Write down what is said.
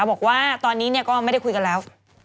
บอกว่าตอนนี้ก็ไม่ได้คุยกันแล้ว